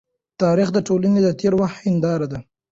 تاریخ د ټولني د تېر وخت هنداره ده.